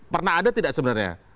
pernah ada tidak sebenarnya